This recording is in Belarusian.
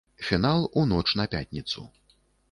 Фінал у ноч на пятніцу.